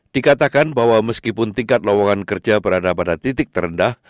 dikatakan bahwa meskipun tingkat lowongan kerja berada pada titik terendah